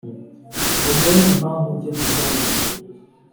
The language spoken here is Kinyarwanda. ngo mbone impamvu njye mu byanjye